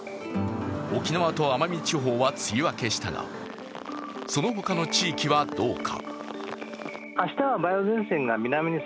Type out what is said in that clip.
沖縄と奄美地方は梅雨明けしたがそのほかの地域はどうか。